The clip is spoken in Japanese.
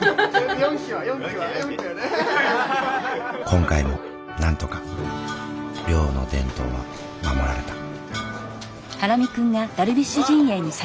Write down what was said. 今回もなんとか寮の伝統は守られた。